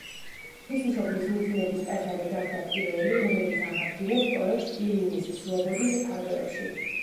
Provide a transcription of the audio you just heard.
ღვთისმშობლის მიძინების ტაძარი გახდა პირველი, რომელიც აღადგინეს პროექტ „ილინის სლობოდის“ ფარგლებში.